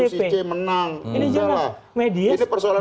ini persoalan konstitusi